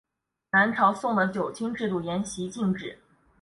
南朝宋的九卿制度沿袭晋制。